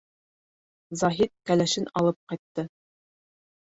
...Заһит кәләшен алып ҡайтты.